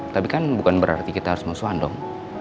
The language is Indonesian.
tapi kan bukan berarti kita harus musuhan dong